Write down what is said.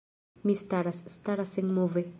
Mi staras, staras senmove.